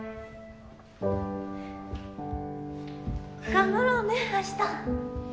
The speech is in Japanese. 頑張ろうね明日。